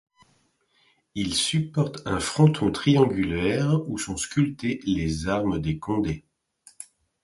Ils supportent un fronton triangulaire, où sont sculptés les armes des Condé.